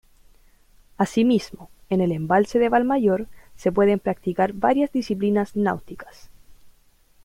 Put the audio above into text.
Asimismo, en el embalse de Valmayor se pueden practicar varias disciplinas náuticas.